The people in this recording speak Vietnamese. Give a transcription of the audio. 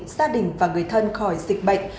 gia đình và người thân khỏi dịch bệnh